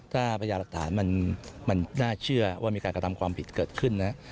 ถ้าพยาหลักฐานมันน่าเชื่อว่ามีการกระทำความผิดเกิดขึ้นนะ